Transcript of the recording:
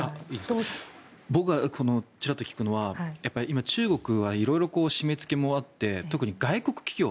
僕がちらっと聞くのは今、中国は色々締めつけもあって特に外国企業。